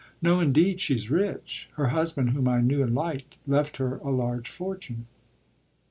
"No indeed, she's rich. Her husband, whom I knew and liked, left her a large fortune."